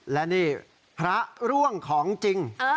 และนี่พระร่วงของจริง